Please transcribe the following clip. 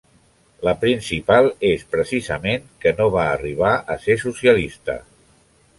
La principal és precisament que no va arribar a ser socialista.